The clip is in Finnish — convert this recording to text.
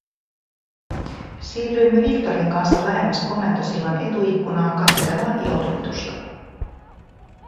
Siirryimme Victorin kanssa lähemmäs komentosillan etuikkunaa katselemaan ilotulitusta.